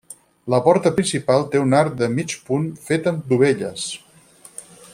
La porta principal té un arc de mig punt fet amb dovelles.